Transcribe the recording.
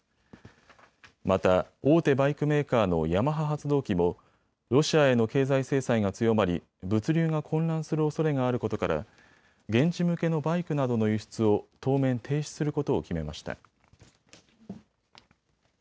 また、大手バイクメーカーのヤマハ発動機もロシアへの経済制裁が強まり、物流が混乱するおそれがあることから現地向けのバイクなどの輸出を当面停止することを決めました。